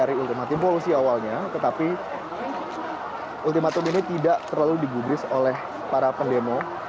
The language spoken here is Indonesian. ini polisi awalnya tetapi ultimatum ini tidak terlalu digubris oleh para pendemo